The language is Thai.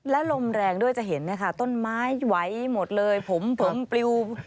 และลมแรงด้วยจะเห็นนะคะต้นไม้ไหวหมดเลยผมผมปลิว